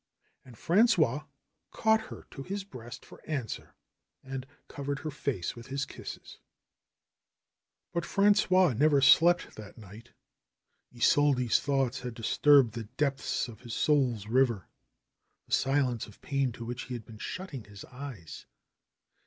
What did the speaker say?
And Frangois caught her to his breast for answer and covered her face with his kisses. 48 THE HERMIT OF SAGUENAY But Frangois never slept that night. Isolde's thoughts had disturbed the depths of his soul's river, the silence of pain to which he had been shutting his eyes.